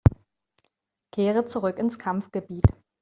Kehre zurück ins Kampfgebiet!